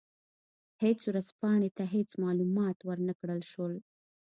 هېڅ ورځپاڼې ته هېڅ معلومات ور نه کړل شول.